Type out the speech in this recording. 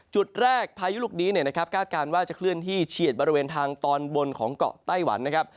จุดแรกพายุลูกนี้นะครับคาดการณ์ว่าจะเคลื่อนที่เฉียดบริเวณทางตอนบนของเกาะไต้หวันนะครับ